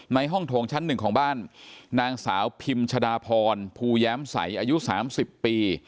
ห้องโถงชั้นหนึ่งของบ้านนางสาวพิมชดาพรภูแย้มใสอายุ๓๐ปี